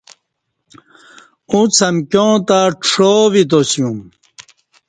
اُݩڅ امکیاں تہ څا ویتاسیوم